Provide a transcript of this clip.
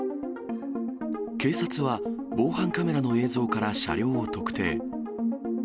警察は、防犯カメラの映像から車両を特定。